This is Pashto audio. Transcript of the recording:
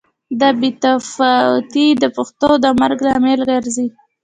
دا بې تفاوتي د پښتو د مرګ لامل ګرځي.